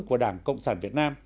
của đảng cộng sản việt nam